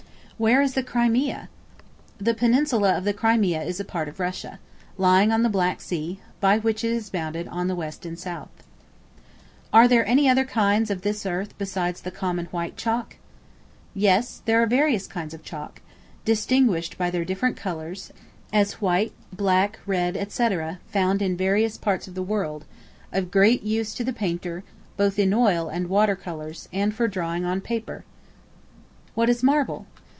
Where is the Crimea? The peninsula of the Crimea is a part of Russia, lying on the Black Sea, by which it is bounded on the west and south. Are there any other kinds of this earth besides the common white chalk? Yes; there are various kinds of chalk, distinguished by their different colors, as white, black, red, &c., found in various parts of the world, of great use to the painter, both in oil and water colors, and for drawing on paper, &c. What is Marble?